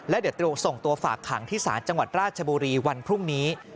แล้วเดี๋ยวส่งตัวฝากขังที่ศาลจังหวัดราชบุรีวันพรุ่งนี้